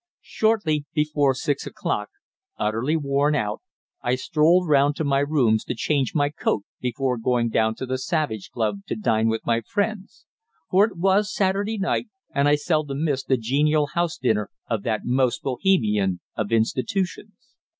Shortly before six o'clock, utterly worn out, I strolled round to my rooms to change my coat before going down to the Savage Club to dine with my friends for it was Saturday night, and I seldom missed the genial house dinner of that most Bohemian of institutions.